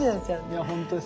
いや本当です。